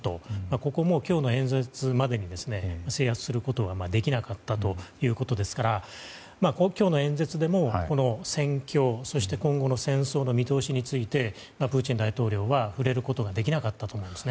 ここも今日の演説までに制圧することはできなかったということですから今日の演説でも、戦況、そして今後の戦争の見通しについてプーチン大統領は、触れることができなかったんだと思いますね。